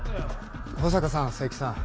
保坂さん佐伯さん